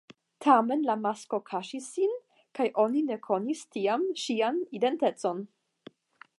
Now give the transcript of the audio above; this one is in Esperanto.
Tamen la masko kaŝis sin kaj oni ne konis tiam ŝian identecon.